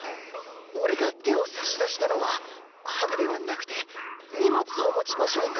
俺が手を差し出したのはハグではなくて荷物を持ちましょうか？